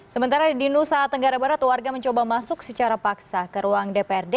sementara di nusa tenggara barat warga mencoba masuk secara paksa ke ruang dprd